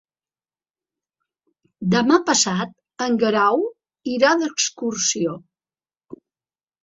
Demà passat en Guerau irà d'excursió.